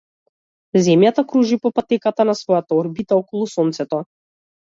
Земјата кружи по патеката на својата орбита околу сонцето.